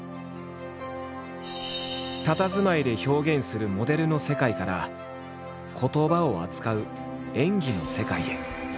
たたずまいで表現するモデルの世界から言葉を扱う演技の世界へ。